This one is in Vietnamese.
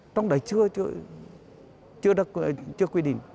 trong đấy chưa quy định